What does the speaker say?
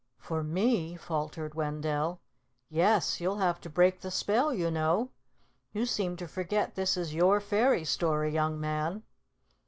"For me?" faltered Wendell. "Yes, you'll have to break the spell, you know. You seem to forget this is your fairy story, young man."